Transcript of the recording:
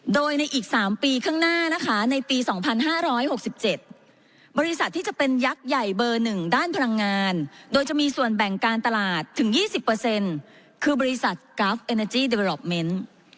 โดยในอีก๓ปีข้างหน้านะคะในปี๒๕๖๗บริษัทที่จะเป็นยักษ์ใหญ่เบอร์๑ด้านพลังงานโดยจะมีส่วนแบ่งการตลาดถึง๒๐คือบริษัทกราฟเอเนอร์จี้เดรอปเมนต์